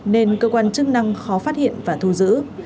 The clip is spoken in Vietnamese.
nên cơ quan chức năng khó phát hiện và thu giữ